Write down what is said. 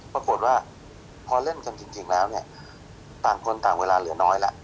ปรากฏว่าพอเล่นกันจริงแล้วเนี่ยต่างคนต่างเวลาเหลือน้อยแล้ว